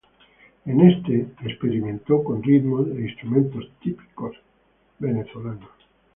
En este experimentó con ritmos e instrumentos típicos venezolanos.